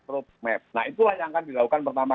roadmap nah itulah yang akan dilakukan pertama